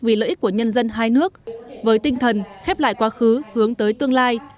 vì lợi ích của nhân dân hai nước với tinh thần khép lại quá khứ hướng tới tương lai